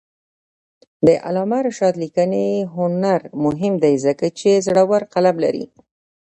د علامه رشاد لیکنی هنر مهم دی ځکه چې زړور قلم لري.